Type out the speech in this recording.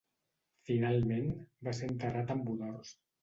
Finalment, va ser enterrat amb honors.